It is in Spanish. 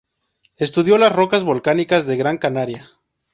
Estudió las rocas volcánicas de Gran Canaria.